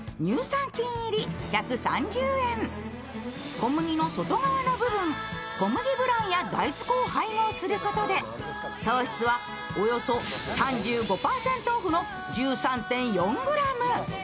小麦の外側の部分、小麦ブランや大豆粉を配合することで糖質はおよそ３５％オフの１３．４ｇ。